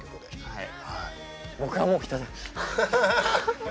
はい。